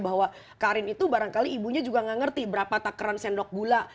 bahwa karin itu barangkali ibunya juga nggak ngerti berapa takeran sendok gula